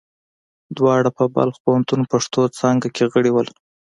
دواړه په بلخ پوهنتون پښتو څانګه کې غړي وو.